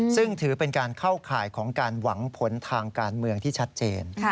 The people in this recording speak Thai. ซึ่งถือเป็นการเข้าข่ายของการหวังผลทางการเมืองที่ชัดเจน